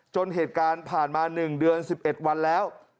เหตุการณ์ผ่านมา๑เดือน๑๑วันแล้ว